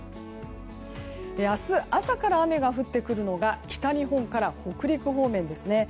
明日朝から雨が降ってくるのが北日本から北陸方面ですね。